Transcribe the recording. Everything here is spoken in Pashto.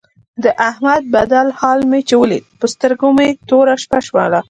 د احمد بدل حال مې چې ولید په سترګو مې توره شپه شوله.